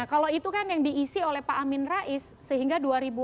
nah kalau itu kan yang diisi oleh pak amin rais sehingga dua ribu empat